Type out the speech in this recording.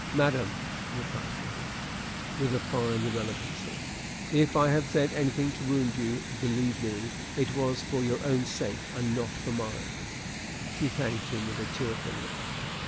"Madam," replied Denis, with a fine irrelevancy, "if I have said anything to wound you, believe me, it was for your own sake and not for mine." She thanked him with a tearful look.